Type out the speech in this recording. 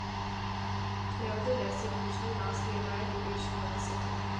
Nevertheless, it usually lasts the entire duration of the signal.